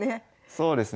そうですね。